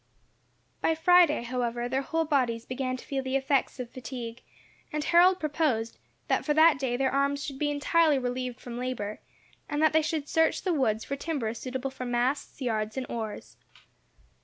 By Friday, however, their whole bodies began to feel the effects of fatigue; and Harold proposed, that for that day their arms should be entirely relieved from labour, and that they should search the woods for timber suitable for masts, yards, and oars.